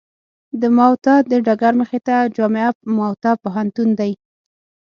د موته د ډګر مخې ته جامعه موته پوهنتون دی.